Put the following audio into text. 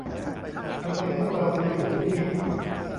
ทำไมพวกเราถึงอยู่ที่นี่ ?